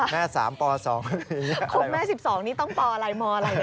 แม่๓ป๒คุณแม่๑๒นี่ต้องปอะไรมอะไร